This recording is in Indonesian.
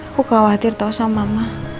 aku khawatir tau sama mama